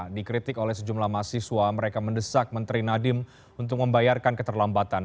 dikritik oleh sejumlah mahasiswa mereka mendesak menteri nadiem untuk membayarkan keterlambatan